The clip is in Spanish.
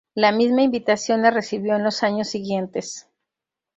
La misma invitación la recibió en los años siguientes.